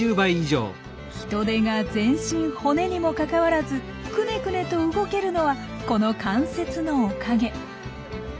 ヒトデが全身骨にもかかわらずくねくねと動けるのはこの関節のおかげ。